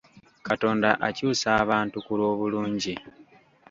Katonda akyusa abantu ku lw'obulungi.